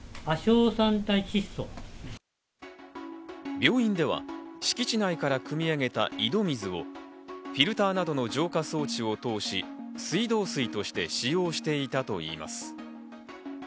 病院では敷地内からくみ上げた井戸水をフィルターなどの浄化装置を通し、水道水として使用していたといいます。